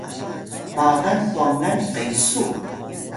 magal twangan qesu